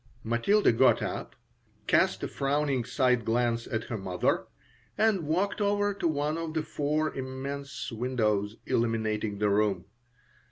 Matilda got up, cast a frowning side glance at her mother, and walked over to one of the four immense windows illuminating the room.